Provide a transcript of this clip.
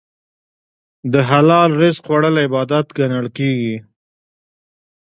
د حلال رزق خوړل عبادت ګڼل کېږي.